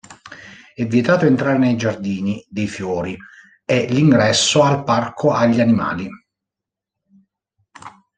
È vietato entrare nei giardini dei fiori e l'ingresso al parco agli animali.